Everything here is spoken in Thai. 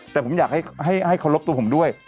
แต่ผมอยากให้เคารพตัวผมด้วย